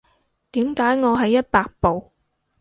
點解我係一百步